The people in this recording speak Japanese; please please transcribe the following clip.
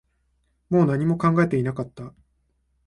もう何も考えていなかった